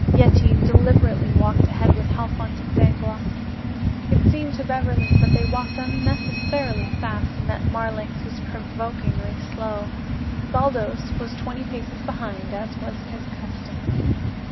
Yetive deliberately walked ahead with Halfont and Dangloss. It seemed to Beverly that they walked unnecessarily fast and that Marlanx was provokingly slow. Baldos was twenty paces behind, as was his custom.